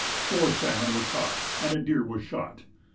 Four salmon were caught, and a deer was shot.